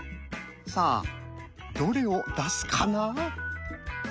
さあどれを出すかな？